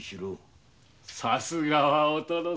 さすがはお殿様。